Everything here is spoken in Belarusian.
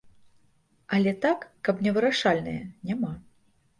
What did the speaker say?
Але так, каб невырашальныя, няма.